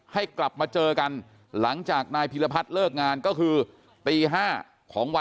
ให้กลับมาเจอกันหลังจากนายพิรพัฒน์เลิกงานก็คือตี๕ของวัน